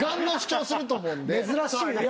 珍しいな。